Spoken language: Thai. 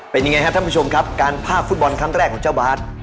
เป็นยังไงครับท่านผู้ชมครับการพากฟุตบอลครั้งแรกของเจ้าบาท